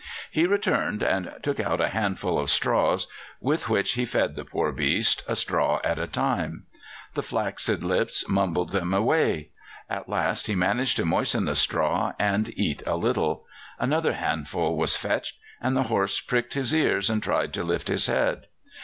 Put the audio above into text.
He returned and took out a handful of straws, with which he fed the poor beast, a straw at a time. The flaccid lips mumbled them awhile. At last he managed to moisten the straw and eat a little. Another handful was fetched, and the horse pricked his ears, and tried to lift his head.